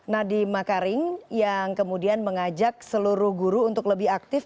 nadiem makaring yang kemudian mengajak seluruh guru untuk lebih aktif